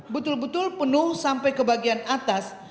betul betul penuh sampai ke bagian atas